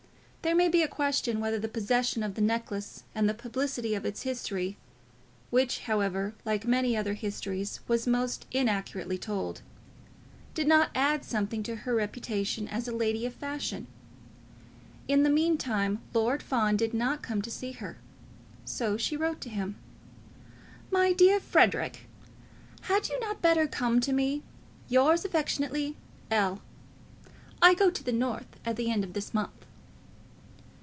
There may be a question whether the possession of the necklace and the publicity of their history, which, however, like many other histories, was most inaccurately told, did not add something to her reputation as a lady of fashion. In the meantime, Lord Fawn did not come to see her. So she wrote to him. "My dear Frederic, had you not better come to me? Yours affectionately, L. I go to the North at the end of this month."